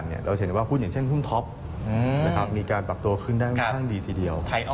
เราจะเห็นว่าหุ้นอย่างเช่นหุ้นท็อปมีการปรับตัวขึ้นด้านข้างดีทีเดียว